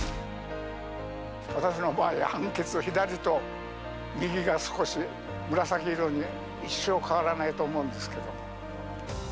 私の場合、半けつの左と右が少し紫色に、一生変わらないと思うんですけど。